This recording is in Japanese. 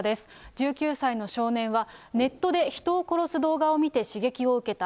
１９歳の少年は、ネットで人を殺す動画を見て刺激を受けた。